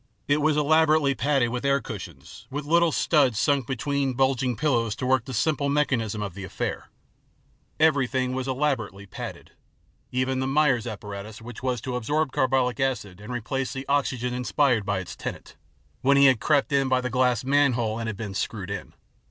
It was elaborately padded with air cushions, with little studs sunk between bulging pillows to work the simple mechanism of the affair. Everything was elaborately padded, even the Myers apparatus which was to absorb carbonic acid and replace the oxygen inspired by its tenant, when he had crept in by the glass manhole, and had been screwed in.